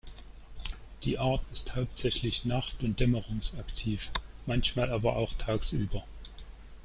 Die Art ist hauptsächlich nacht- und dämmerungsaktiv, manchmal aber auch tagsüber.